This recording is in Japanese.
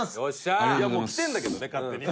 タカ：いや、もう来てるんだけどね、勝手に。